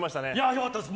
良かったです